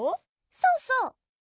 そうそう！